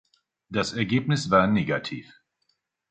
Das Ergebnis war negativ.